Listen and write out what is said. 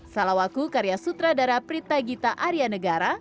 salawaku karya sutradara pritagita arya negara